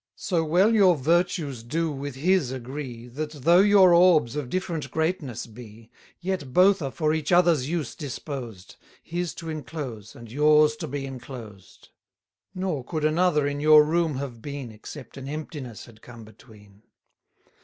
So well your virtues do with his agree, That, though your orbs of different greatness be, Yet both are for each other's use disposed, His to enclose, and yours to be enclosed. 40 Nor could another in your room have been, Except an emptiness had come between.